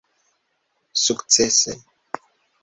sukcese